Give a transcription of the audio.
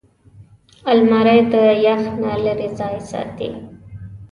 الماري د یخ نه لېرې ځای ساتي